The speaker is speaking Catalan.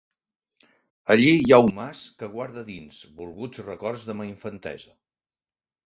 Allí hi ha un mas que guarda dins, volguts records de ma infantesa.